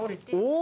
お！